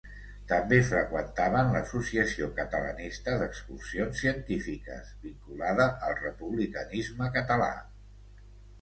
També freqüentaven l’Associació Catalanista d’Excursions Científiques, vinculada al republicanisme català.